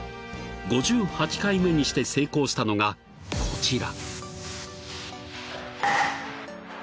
［５８回目にして成功したのがこちら］